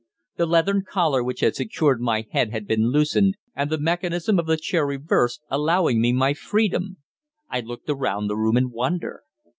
The leathern collar which had secured my head had been loosened and the mechanism of the chair reversed, allowing me my freedom. I looked around the room in wonder.